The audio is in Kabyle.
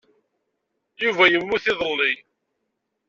Yuba yemmut iḍelli.